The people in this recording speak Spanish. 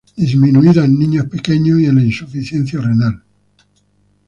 Disminuida en niños pequeños y en la insuficiencia renal.